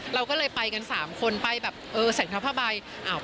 เราก็เลยไปกัน๓คนไปแบบเออใส่เท้าผ้าใบ